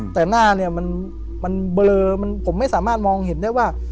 แต่หน้าเนี่ยมันเบลอผมไม่สามารถมองเห็นได้ว่า